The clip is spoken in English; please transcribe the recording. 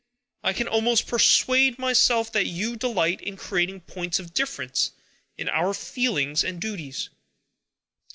I can almost persuade myself that you delight in creating points of difference in our feelings and duties."